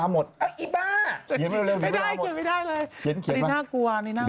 อันนี้อยากรู้เลยใช่ไหม